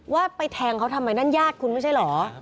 ว่าไปแทงเขาทำไมนั่นญาติคุณไม่ใช่เหรอ